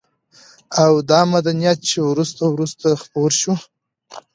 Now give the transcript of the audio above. او دا مدنيت چې وروسته وروسته خپور شوى